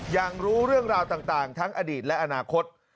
รู้เรื่องราวต่างทั้งอดีตและอนาคต